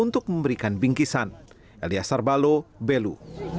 dan bingkisan alias sarbalo belu